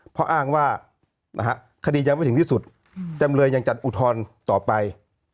เพราะอ้างว่าคดียังไม่ถึงที่สุดจำเลยยังจัดอุทธรณ์ต่อไป